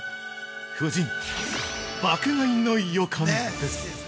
夫人、爆買いの予感です。